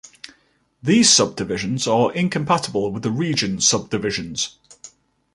These subdivisions are incompatible with the region subdivisions.